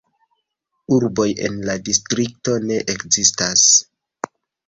Urboj en la distrikto ne ekzistas.